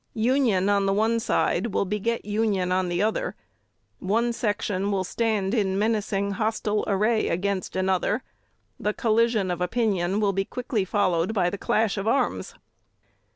Union on the one side will beget union on the other.... One section will stand in menacing, hostile array against another; the collision of opinion will be quickly followed by the clash of arms."